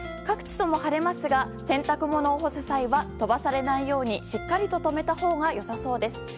各地とも晴れますが洗濯物を干す際は飛ばされないようにしっかりと留めたほうが良さそうです。